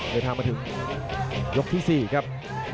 โดยทำระถึงยกที่๔ครับ